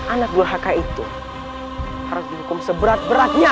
anak nur hakan itu harus dihukum seberat beratnya